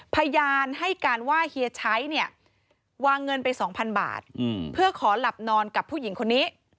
พยานให้การว่าเฮียชัยเนี่ยวางเงินไป๒๐๐บาทเพื่อขอหลับนอนกับผู้หญิงคนนี้